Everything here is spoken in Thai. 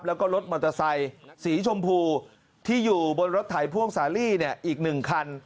แล้วก็รถมอเตอร์ไซค์สีชมพูที่อยู่บนรถไถพ่วงสาลี่อีก๑คัน